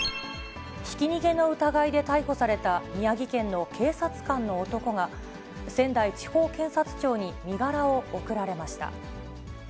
ひき逃げの疑いで逮捕された宮城県の警察官の男が、仙台地方検察庁に身柄を送られました。